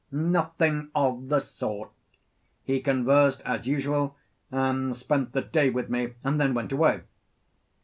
Nothing of the sort; he conversed as usual, and spent the day with me and then went away.